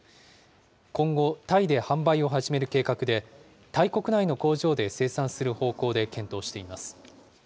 今後、タイで販売を始める計画で、タイ国内の工場で生産する方向で検討しています。